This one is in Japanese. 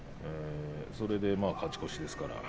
それで勝ち越しですからね。